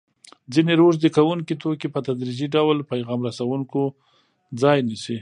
ځیني روږدي کوونکي توکي په تدریجي ډول پیغام رسوونکو ځای نیسي.